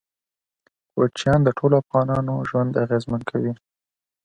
کوچیان د ټولو افغانانو ژوند اغېزمن کوي.